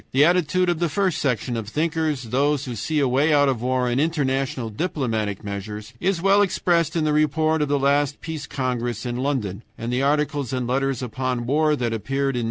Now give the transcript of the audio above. The attitude of the first section of thinkers, those who see a way out of war in international diplomatic measures, is well expressed in the report of the last Peace Congress in London, and the articles and letters upon war that appeared in No.